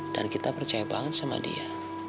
dan kita percaya banget sama dia